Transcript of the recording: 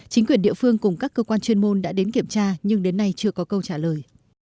chính quyền địa phương cùng các cơ quan chuyên môn đã đến kiểm tra nhưng đến nay chưa có câu trả lời